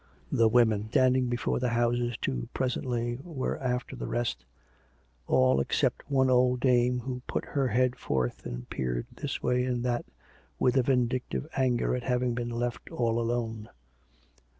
The women standing before the houses, too, presently were after the rest — all except one old dame, who put her head forth, and peered this way and that with a vindictive anger at having been left all alone.